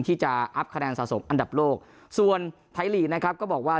ที่จะอัพคะแนนสะสมอันดับโลกส่วนไทยลีกนะครับก็บอกว่า